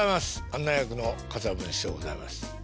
案内役の桂文枝でございます。